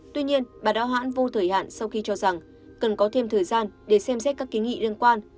tuy nhiên bà đã hoãn vô thời hạn sau khi cho rằng cần có thêm thời gian để xem xét các kiến nghị liên quan